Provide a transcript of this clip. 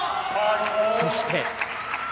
そして。